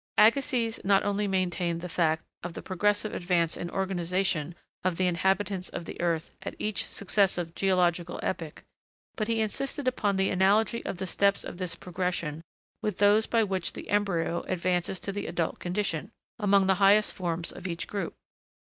Agassiz not only maintained the fact of the progressive advance in organisation of the inhabitants of the earth at each successive geological epoch, but he insisted upon the analogy of the steps of this progression with those by which the embryo advances to the adult condition, among the highest forms of each group.